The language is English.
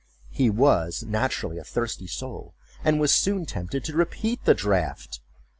He was naturally a thirsty soul, and was soon tempted to repeat the draught.